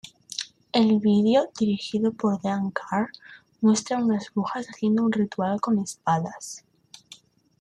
El video, dirigido por Dean Karr, muestra unas brujas haciendo un ritual con espadas.